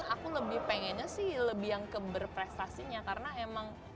aku lebih pengennya sih lebih yang keberprestasinya karena emang